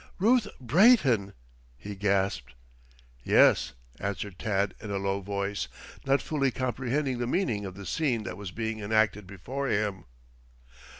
"Ruth Brayton!" he gasped. "Yes," answered Tad in a low voice, not fully comprehending the meaning of the scene that was being enacted before him.